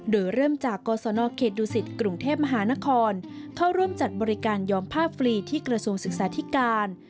โดยเริ่มจากกศนเขตดุสิตกรุงเทพมหานครเข้าร่วมจัดบริการยอมผ้าฟรีที่กระทรวงศึกษาธิการ